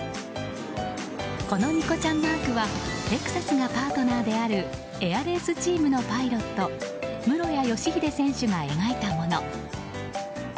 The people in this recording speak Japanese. このニコちゃんマークはレクサスがパートナーであるエアレースチームのパイロット室屋義秀選手が描いたもの。